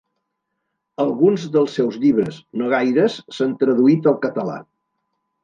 Alguns dels seus llibres, no gaires, s'han traduït al català.